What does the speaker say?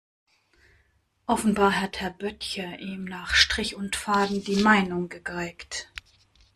Offenbar hat Herr Böttcher ihm nach Strich und Faden die Meinung gegeigt.